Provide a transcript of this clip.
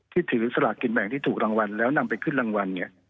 ที่ถือสลากกินแบ่งที่ถูกรางวัลแล้วนำไปขึ้นรางวัลเนี่ย